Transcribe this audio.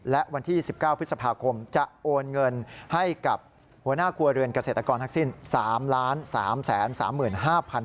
และวันที่๑๙พฤษภาคมจะโอนเงินให้กับหัวหน้าครัวเรือนเกษตรกรทั้งสิ้น๓๓๕๐๐บาท